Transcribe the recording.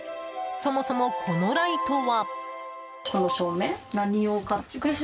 そもそも、このライトは。